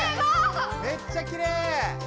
めっちゃきれい！